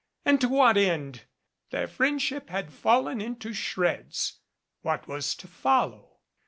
And to what end? Their friendship had fallen into shreds. What was to follow?